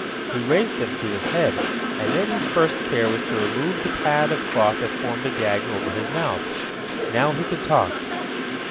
He raised them to his head, and then his first care was to remove the pad of cloth that formed a gag over his mouth. Now he could talk.